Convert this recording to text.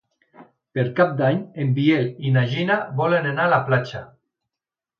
Per Cap d'Any en Biel i na Gina volen anar a la platja.